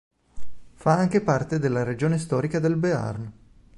Fa anche parte della regione storica del Béarn.